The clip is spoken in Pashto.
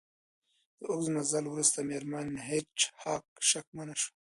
د اوږد مزل وروسته میرمن هیج هاګ شکمنه شوه